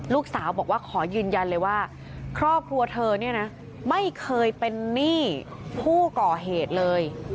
ลูกสาวบอกว่าขอยืนยันเลยว่าครอบครัวเธอเนี่ยนะไม่เคยเป็นหนี้ผู้ก่อเหตุเลย